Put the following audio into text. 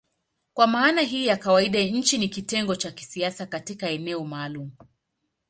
Kwa maana hii ya kawaida nchi ni kitengo cha kisiasa katika eneo maalumu.